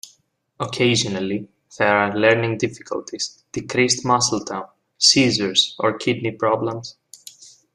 Occasionally there are learning difficulties, decreased muscle tone, seizures, or kidney problems.